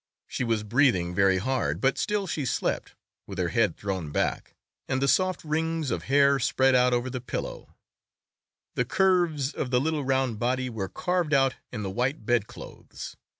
She was breathing very hard, but still she slept, with her head thrown back, and the soft rings of hair spread out over the pillow; the curves of the little round body were carved out in the white bedclothes.